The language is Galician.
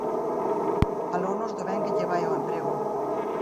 Falounos do ben que lle vai ao emprego.